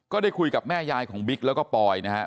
ได้คุยกับแม่ยายของบิ๊กแล้วก็ปอยนะฮะ